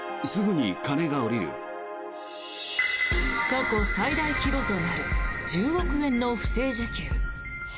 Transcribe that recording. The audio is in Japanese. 過去最大規模となる１０億円の不正受給。